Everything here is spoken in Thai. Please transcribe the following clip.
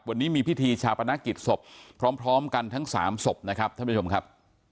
วันนี้มีพิธีชาปนกิจศพพร้อมกันทั้งสามศพนะครับท่านผู้ชมครับ